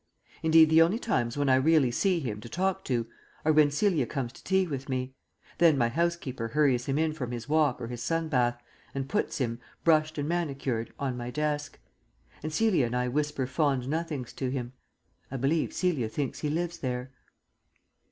Indeed, the only times when I really see him to talk to are when Celia comes to tea with me. Then my housekeeper hurries him in from his walk or his sun bath, and puts him, brushed and manicured, on my desk; and Celia and I whisper fond nothings to him. I believe Celia thinks he lives there!